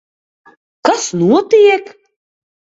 Kas notiek?